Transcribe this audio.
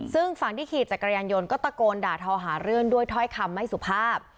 ซึ่งฝั่งที่ขี่จักรยานยนต์ก็ตะโกนด่าทอหาเรื่องด้วยถ้อยคำไม่สุภาพ